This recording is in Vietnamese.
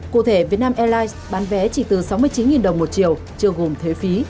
cụ thể vietnam airlines bán vé chỉ từ sáu mươi chín đồng một chiều chưa gồm thuế phí